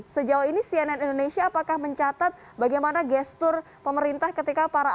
sejauh ini cnn indonesia apakah mencatat bagaimana gestur pemerintah ketika para ahli ini mulai menggantikan pemerintah